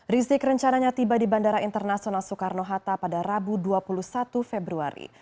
rizik rencananya tiba di bandara internasional soekarno hatta pada rabu dua puluh satu februari